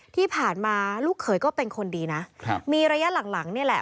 ที่ผ่านมาลูกเขยก็เป็นคนดีนะครับมีระยะหลังหลังนี่แหละ